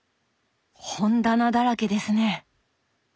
本棚だらけですね。